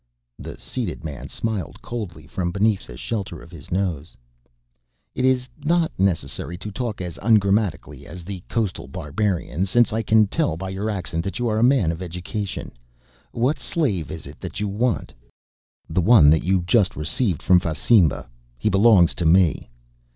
The seated man smiled coldly from behind the shelter of his nose. "It is not necessary to talk as ungrammatically as the coastal barbarians, since I can tell by your accent that you are a man of education. What slave is it that you want?" "The one that you just received from Fasimba. He belongs to me."